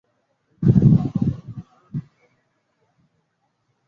Kiwango cha wanyama wanaokufa kwa ugonjwa wa majimoyo